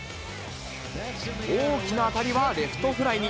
大きな当たりはレフトフライに。